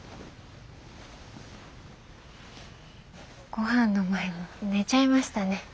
ごはんの前に寝ちゃいましたね。